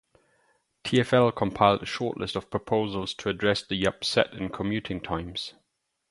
TfL compiled a shortlist of proposals to address the upset in commuting times.